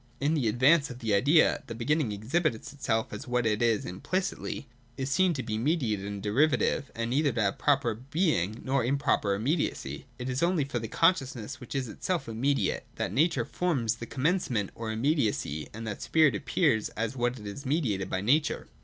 In the advance of the idea, the beginning exhibits itself as what it is implicitly. It is seen to be mediated and deriva tive, and neither to have proper being nor proper imme diacy. It is only for the consciousness which is itself immediate, that Nature forms the commencement or im mediacy, and that Spirit appears as what is mediated by Nature.